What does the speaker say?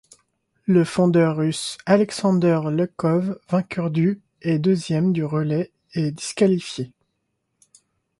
Le fondeur russe Alexander Legkov, vainqueur du et deuxième du relais est disqualifié.